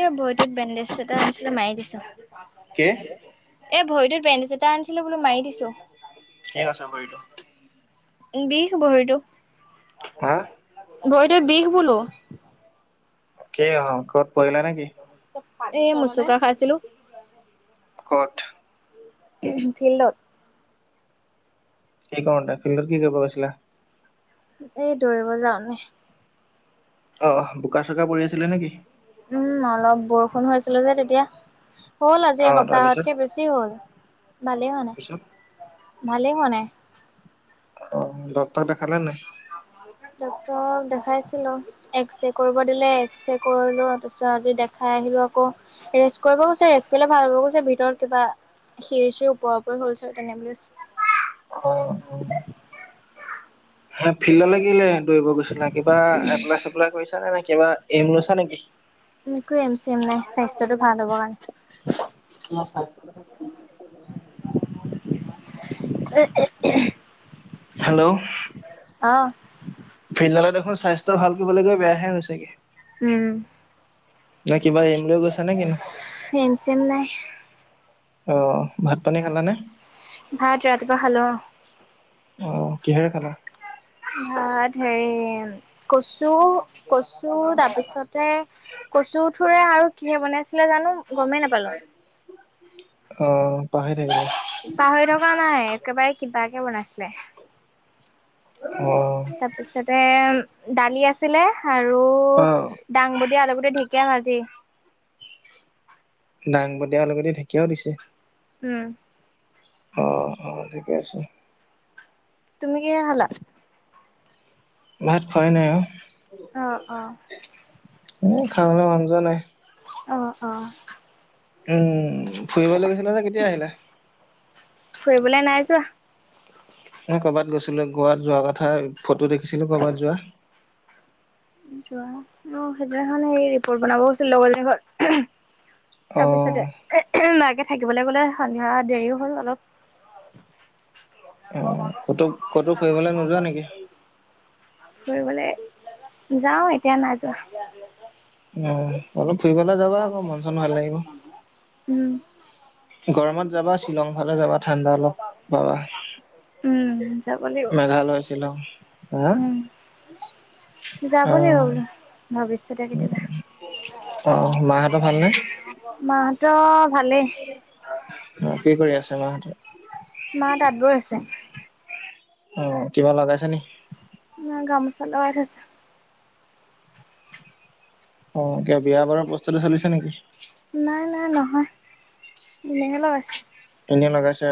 এই ভৰিটোত বেণ্ডেজ এটা আনিছিলে মাৰি দিছোঁ। কি? এই ভৰিটোত বেণ্ডেজ এটা আনিছিলো বোলো মাৰি দিছোঁ। কি হৈছে ভৰিটো? বিষ ভৰিটো। হা? ভৰিটোত বিষ বোলো। কি হ'ল কবাত পৰিলা নে কি? এই মোচোকা খাইছিলোঁ। ক'ত? ফিল্ডত। কি কৰোতে ফিল্ডত কি কৰিব গৈছিলা? এই দৌৰিব যাওঁনে। অ', বোকা চোকা পৰি আছিলে নেকি? উম অলপ বৰষুণ হৈ আছিলে যে তেতিয়া, হ'ল আজি অ তাৰপিছত? এসপ্তাহতকে বেছি। বেছি হ'ল, ভালেই হোৱা তাৰপিছত? নাই ভালেই হোৱা নাই। অ, ডক্টৰক দেখালা নাই? ডক্টৰক দেখাইছিলো। এক্স ৰে কৰিব দিলে এক্স ৰে কৰিলো তাৰ পিছত আজি দেখাই আহিলো আকৌ। ৰেষ্ট কৰিব গৈছে ৰেষ্ট কৰিলে ভাল হ'ব কৈছে ভিতৰত কিবা সিৰ চিৰ ওপৰা ওপৰি হ'ল চাগে তেনে বুলি কৈছে। অ অ। হে ফিল্ডলৈ কেলে দৌৰিব গৈছিলা কিবা এপ্লাই চেপ্লাই কৰিছা নে নে কিবা এইম লৈছা নেকি! একো এইম চেইম নাই স্বাস্থ্যতটো ভাল হ'ব কাৰণে। তোমাৰ স্বাস্থ্য দেখোন হেল্ল' অ'। ফিল্ডলে দেখোন স্বাস্থ্য ভাল কৰিবলৈ গৈ বেয়াহে হৈছেগে। উম, নে কিবা এইম লৈ গৈছা নে কিনো! এইম চেইম নাই। অ ভাত পানী খালানে? ভাত ৰাতিপুৱা খালো। অ কিহেৰে খালা! ভাত হেৰি কচু, কচু তাৰপিছত কচু ঠোৰে আৰু কিহে বনাইছিলে জানো। গমেই নাপালো। অ পাহৰি থাকিলা। পাহৰি থকা নাই একেবাৰে কিবাকে বনাইছিলে। অ'। তাৰপিছতে দালি আছিলে আৰু। অ দাংবদিয়ে আলুগুটি ঢেকীয়া ভাজি। দাং বদিয়ে আলুগুটি ঢেকীয়াও দিছে। উম। অ অ ঠিকে আছে। তুমি কিহেৰে খালা? ভাত খোৱাই নাই অ'। অৱ অৱ। এনে খাবলৈ মন যোৱা নাই। অৱ অৱ। উম। ফুৰিবলৈ গৈছিলা যে কেতিয়া আহিলা? ফুৰিবলৈ নাই যোৱা। ক'বাত গৈছিলো গোৱাত যোৱা কথা ফটো দেখিছিলো কৰ'বাত যোৱা। যোৱা অ সেইদিনাখন হেৰি ৰিপৰ্ট বনাব গৈছিল লগৰজনী ঘৰত। অ তাৰপিছতে মাকে থাকিবলৈ গ'লে সন্ধিয়া দেৰিও হ'ল অলপ। অ, ক'তো ক'তো ফুৰিবলৈ নোযোৱা নেকি? ফুৰিবলে যাওঁ এতিয়া নাযোৱা। অ, অলপ ফুৰিবলৈ যাবা আক মন চন ভাল লাগিব। উম গৰমত যাবা শ্বিলং ফালে যাবা ঠাণ্ডা অলপ পাবা। উম যাব লাগিব মেঘালয় শ্বিলং হা উম, যাব অ লাগিব বোলো ভৱিষৎতে কেতিয়াবা। অ মাহঁতৰ ভালনে মাহঁত ভালেই। অঁ' কি কৰি আছে মাহঁতে? মা তাঁত বৈ আছে। অঁ, কিবা লগাইছে নেকি? নাই গামোচা লগাই থৈছে। অঁ, কিবা বিয়া বাৰৰ প্ৰস্তুতি চলিছে নেকি। নাই, নাই নহয় এনেইহে লগাইছে। এনে লগাইছে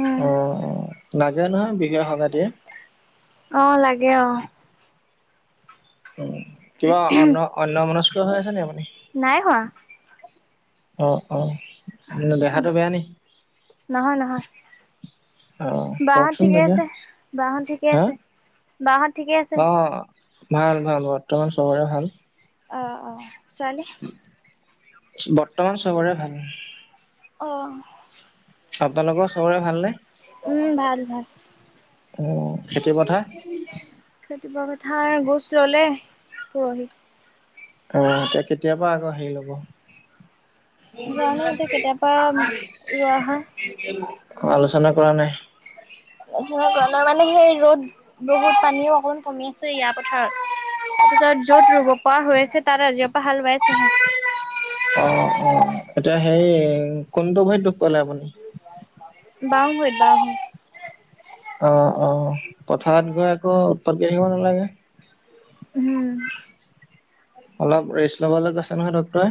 উম অঁ, লাগে নহয় বিহুৱে সভাটিয়ে। অঁ, লাগে অ‍ঁ। উম' কিবা অন অন্যমনস্ত হৈ আছে নি আপুনি? নাই হৱা। অঁ অঁ' উম' দেহাটো বেয়া নি? নহয় নহয় অঁ, বাহত কওকচোন ঠিকে দাদা, আছে হাঁ। বাঁ হত ঠিক আছে। অঁ, ভাল ভাল বৰ্তমান চবৰে ভাল। অ অ' ছোৱালী? বৰ্তমান চবৰে ভাল। অ' আপোনালোকৰ চবৰে ভালনে? উম, ভাল ভাল। অঁ, খেতি পথাৰ। খেতি পথাৰ গোছ ললে পৰহি। অঁ, কে কেতিয়াপা আকৌ হেৰি লব? জানো এতিয়া কেতিয়াৰ পৰা ৰোৱা হয়। অঁ আলোচনা কৰা নাই। আলোচনা কৰা নাই মানে, সেই ৰ'দ বহুত পানীও অকমান কমি আছে ইয়াৰ পথাৰত। তাৰপিছত য'ত ৰুব পৰা হৈ আছে, তাত আজিৰ পৰা হাল বাইছেহে। অঁ অঁ' এতিয়া হেই কোনটো ভৰিত দুখ পালে আপুনি? বাওঁ ভৰিত, বাওঁ ভৰিত। অঁ অঁ' পথাৰত গৈ আকৌ উৎপাত কৰি থাকিব নালাগে। উহুম। অলপ ৰেষ্ট ল'বলৈ কৈছে নহয় ডক্টৰে।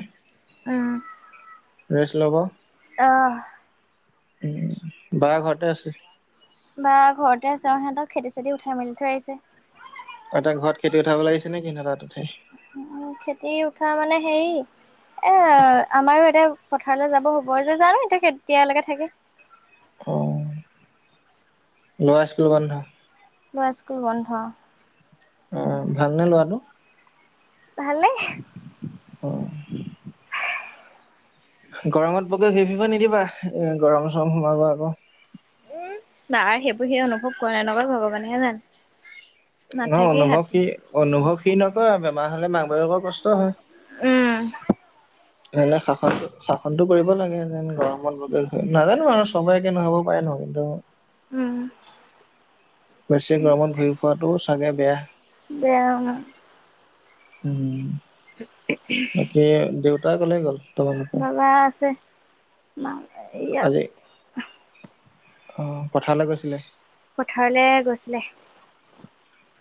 উম' ৰেষ্ট ল'ব। অঁ' উম' বা ঘৰতে আছে। বা ঘৰতে আছে অঁ, সিহঁত খেতি চেতি উঠাই মেলি থৈ আহিছে। এতিয়া ঘৰত খেতি উঠাবলে আহিছে নেকি, নে তাত উঠাই। উম উম' খেতি উঠা মানে হেৰি- এ আ আমাৰো এতিয়া পথাৰলৈ যাব হ'ব যে। জানো এতিয়া কেতিয়ালৈকে থাকে? অঁ' ল'ৰা স্কুল বন্ধ? ল'ৰা স্কুল বন্ধ। অঁ' ভালনে লৰাটো? ভলেই। উম। গৰমত বৰকৈ ঘুৰি ফুৰিব নিদিবা এ গৰম চৰম সোমাব আকৌ। নাই সেইবোৰ সি অনুভৱ কৰে নে নকৰে ভগৱানে হে জানে। ন নাথাকেই অনুভৱ হাতী। কি অনুভৱ সি নকৰে বেমাৰ হলে মাক বাপেকৰ কষ্ট উম হয়। ধৰি লোৱা শাসনতো শাসনতো কৰিব লাগে যেন গৰমত বৰকে ঘুৰ নাজানো আৰু চবৰে একে নহ'ব পাৰে ন হেইটো। উম। বেছি গৰমত ঘূৰি ফুৰাটো চাগে বেয়া। বেয়া উম। উম। [unintelligible] সে দেউতা ক'লে গ'ল? তোমালোকৰ বাবা আছে মা বাহিৰত। আজি অ' পথাৰলে গৈছিলে? পথাৰলে গৈছিলে।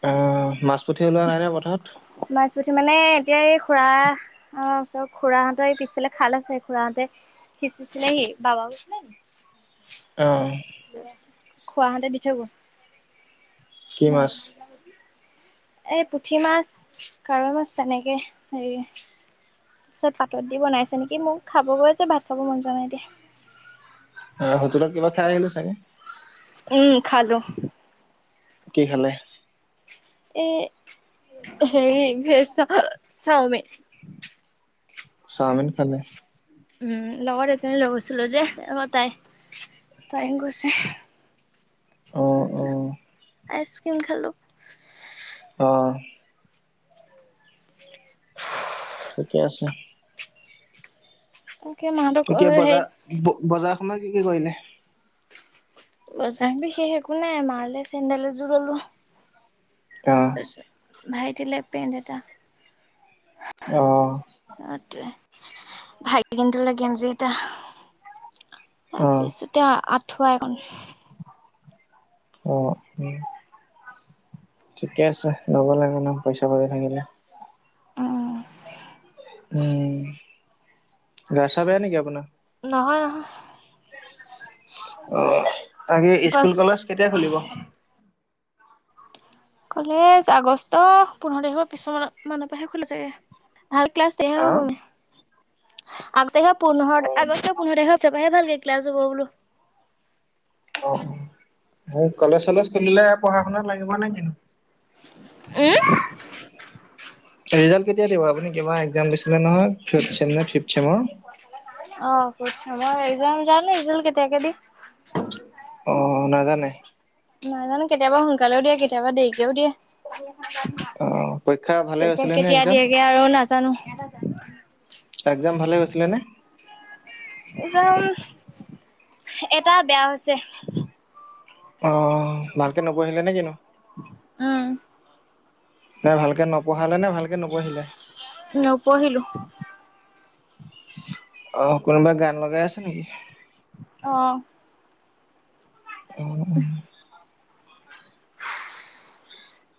অ' মাছ পুঠি ওলোৱা নাই নে পথাৰত? মাছ পুঠি মানে এতিয়া এই খুৰা- আমা ওচৰ খুৰাহঁতৰ এই পিছফালে খাল আছে খুৰাহঁতে সিচিচিলেহি বাবও গৈছিলে নি অ'। খুৰাহঁতে দি থৈ গ'ল। মাছ। এই পুঠি মাছ কাৱৈ মাছ তেনেকে হেৰি পিছত পাতত দি বনাইছে নেকি মোক খাব কৈ আছে ভাত খাব মন যোৱা নাই এতিয়া। অ' হোটেলত কিবা খাই আহিলে চাগে? উম খালো। কি খালে? এ হেৰি ভেজ চাও চাওঁমিন। চাওঁমিন খালে? উম লগত এজনি লৈ গৈছিলো যে আকৌ তাই তায়ো গৈছে। অ অ আইচ ক্ৰীম খালো। অ'। ঠিকে আছে। উম। এতিয়া বজাৰ বজাৰ সমাৰ কি কি কৰিলে? বজাৰ বিশেষ একো নাই মা লে চেন্ডেল এযোৰ ললো। অ'। ভাইটিলে পেণ্ট এটা। অ'। সেইটোৱে ভাইটি গেন্দুলে গেঞ্জি এটা। অ অ তাৰপিছতে আঁঠুৱা এখন। অ উম ঠিকে আছে ল'ব লাগে ন পইচা পাতি থাকিলে। উম উম গা চা বেয়া নেকি আপোনাৰ? নহয় নহয় অ, বাকী স্কুল পাছ কলেজ কেতিয়া খুলিব? কলেজ আগষ্ট পোন্ধৰ তাৰিখৰ পিছৰ মানৰ পৰাহে খোলিব চাগে। ভাল ক্লাছ তেতিয়াহে আহ হ'ব মানে। আগষ্ট অ পোন্ধৰ, আগষ্ট পোন্ধৰ তাৰিখৰ পিছৰ পৰাহে ভালকে ক্লাছ হ'ব বোলো। অ', অ', হেৰি কলেজ চলেজ খুলিলে পঢ়া শুনাত লাগিব নাই কি নো? উম। ৰিজাল্ট কেতিয়া দিব, আপুনি কিবাহৰ এক্সাম দিছিলে নহয় ফৰ্থ চেম নে ফিফট চেমৰ? অ ফৰ্থ চেমৰ অ একজাম জানো ৰিজাল্ট কেতিয়াকে দিয়ে। অহ নাজানে? নাজানো কেতিয়াবা সোনকালেও দিয়ে কেতিয়াবা দেৰিকেও দিয়ে। অ পৰীক্ষা ভালে কেতিয়া হৈছিলে নে কেতিয়া এক্জাম দিয়েগে আৰু নাজানো। এক্সাম ভালে হৈছিলে নে? এক্সাম এটা বেয়া হৈছে। অহ, ভালকে নপঢ়িলা নে কিনো? উম নে ভালকে নপঢ়ালে নে ভালকৈ নপঢ়িলাই? নপঢ়িলো। আহ, কোনোবাই গান লগাই আছে নেকি? অ', অ অ।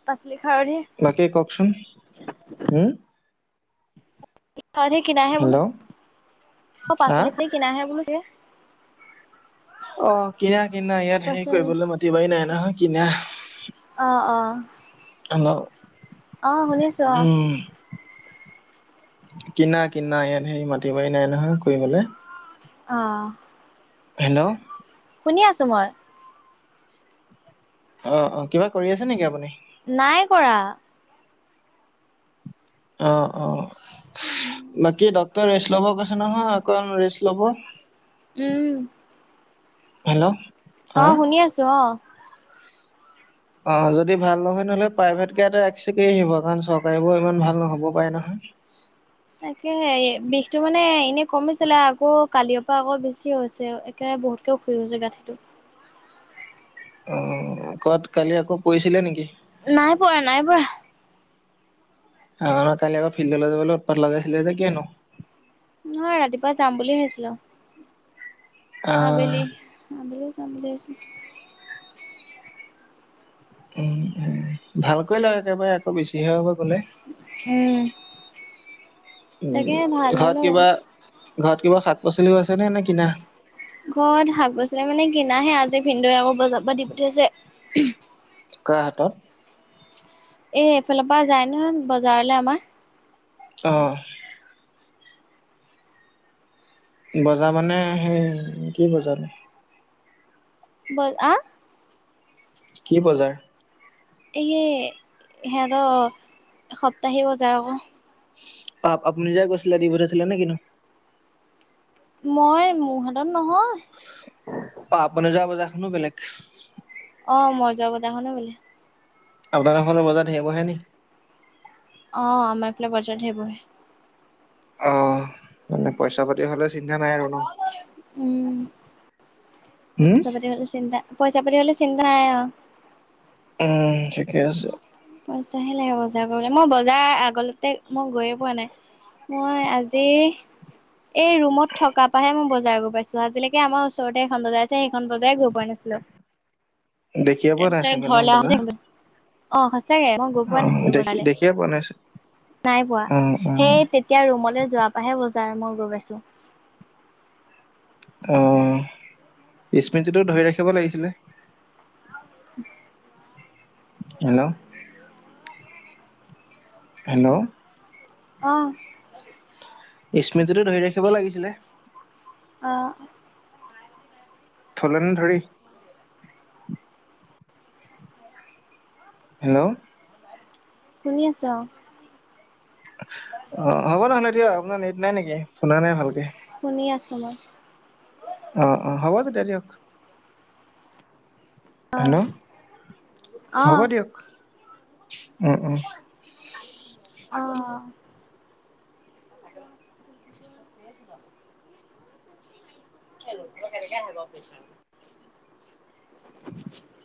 [unintelligible] বাকী কওকচোন, উম। সে কিনাহে বোলে, হেল্ল' অ', হা পাচলি খিনি কিনাহে বোলো অ', কিনা কিনা ইয়াত খেতি পাচলি কৰিবলৈ মাটি বাৰী নাই নহয় কিনা। অ অহ আ, শুনিছো অ'। উম। কিনা কিনা ইয়াত সেই মাটি বাৰি নাই নহয় কৰিবলে। অহ হেল্ল'! শুনি আছো মই। অ অ, কিবা কৰি আছে নেকি আপুনি? নাই কৰা। অ অ, বাকী ডক্টৰে ৰেষ্ট ল'ব কৈছে নহয় অকমান ৰেষ্ট ল'ব। উম। হেল্ল'! অ', হা শুনি আছো অ'। [inaudible] অ', যদি ভাল নহয় তেনেহ'লে প্ৰাইভেট কে এটা এক্সৰে কৰিব কাৰণ চৰকাৰীবোৰ ইমান ভাল নহ'ব পাৰে নহয়। তাকে হে বিষটো মানে এনে কমিছিলে, আকৌ কালিৰ পৰা আকৌ বেছি হৈছে। একে বহুতকে ফুলি হৈছে গাঁঠিটো। অ', ক'বাত কালি আকৌ পৰিছিলে নেকি? নাই পৰা, নাই পৰা। অ কালি আকৌ ফিল্ডলৈ যাবলৈ উৎপাত লাগাইছিলে কিয় নো? নহয় ৰাতিপুৱা যাম বুলি ভাবিছিলো, আবেলি। আহ আবেলি যাম বুলি ভাবিছিলো। উম ভালকৈ লোৱা একেবাৰে। অ', বেছি হে হ'ব গ'লে। উম। উম, তাকে ভাল হ'ল ঘৰত হয়। কিবা, ঘৰত কিবা শাক পাচলিও আছে নে, নে কিনা? ঘৰত শাক পাচলি মানে কিনাহে, আজি ভিনদেও আকৌ বজাৰৰ পৰা দি পঠিয়াইছে। কাৰ হাতত? এ এইফালৰ পা যায় নহয় বজাৰলে আমাৰ। অ। বজাৰ মানে সেই কি বজাৰ? ব আ? কি বজাৰ? এই সিহঁতৰ সপ্তাহিক বজাৰ অক। আপুনি যে গৈছিলে দি পঠাইছিলে নে কি নো। মই মোৰ হাতত নহয়। পাপনে যোৱা বজাৰখনো বেলেগ। অ মই যোৱা বজাৰ খনো বেলেগ। আপোনালোকৰ ফালে বজাৰ ধেৰ বহে নি? অ আমাৰ ফালে বজাৰ ধেৰ বহে। অ মানে পইচা পাতি হলে চিন্তা নাই আৰু ন? উম' উম পইচা পাতি হ'লে চিন্তা, পইচা পাতি হলে চিন্তা নাই অ। উম ঠিকে আছে। পইচাহে লাগে বজাৰ কৰিবলে, মই বজাৰ আগলেতে মই গৈয়ে পোৱা নাই। মই আজি। এই ৰুমত থকা পাহে মই বজাৰ গৈ পাইছোঁ, আজিলৈকে আমাৰ ওচৰতে এখন বজাৰ আছে সেইখন বজাৰে গৈ পোৱা নাছিলো। দেখিয়ে পোৱা নাই তাৰপিছত চাগে ন ঘৰলে বজাৰ অ সঁচাকে মই গৈ অ পোৱা নাছিলো দেখি বজাৰলে, দেখিয়ে পোৱা নাই চাগে নাই পোৱা অ সেই তে এতিয়া ৰুমলে যোৱা পাহে বজাৰ মই গৈ পাইছোঁ। অঁ, স্মৃতিটো ধৰি ৰাখিব লাগিছিলে। [inaudible] হেল্ল'? হেল্ল'? অঁ। স্মৃতিটো ধৰি ৰাখিব লাগিছিলে। অ। থলে নে ধৰি? হেল্ল'? শুনি আছোঁ অ। অ হ'ব নহলে দিয়ক, আপোনাৰ নেট নাই নেকি, শুনা নাই ভালকে? শুনি আছোঁ মই। অঁ অঁ হ'ব তেতিয়া দিয়ক। অঁ হেল্ল' হ'ব অঁ দিয়ক, উম' উম '। অ। [unintelligible] [unintelligible]